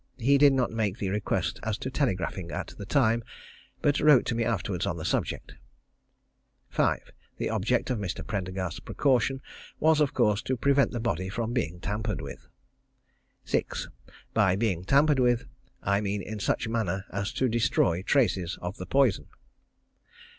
He did not make the request as to telegraphing at the time, but wrote to me afterwards on the subject. 5. The object of Mr. Prendergast's precaution was, of course, to prevent the body from being tampered with. 6. By tampered with I mean in such manner as to destroy the traces of the poison.